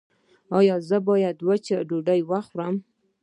ایا زه باید وچه ډوډۍ وخورم؟